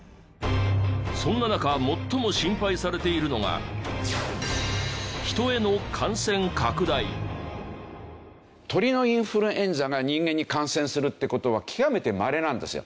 そんな中最も心配されているのが鳥のインフルエンザが人間に感染するって事は極めてまれなんですよ。